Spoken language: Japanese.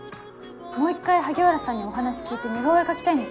もう一回萩原さんにお話聞いて似顔絵描きたいんです。